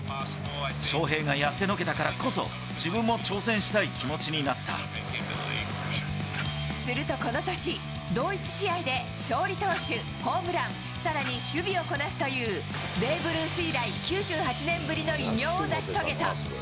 ショウヘイがやってのけたからこそ、自分も挑戦したい気持ちになするとこの年、同一試合で勝利投手、ホームラン、さらに守備をこなすというベーブ・ルース以来、９８年ぶりの偉業を成し遂げた。